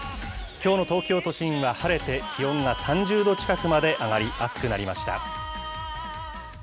きょうの東京都心は晴れて、気温が３０度近くまで上がり、暑くなりました。